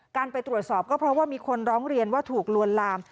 ไปตรวจสอบก็เพราะว่ามีคนร้องเรียนว่าถูกลวนลาม